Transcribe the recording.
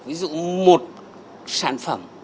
ví dụ một sản phẩm